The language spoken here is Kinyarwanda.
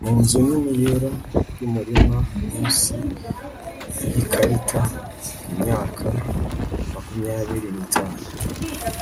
mu nzu nini yera yumurima munsi yikarita kumyaka makumyabiri n'itanu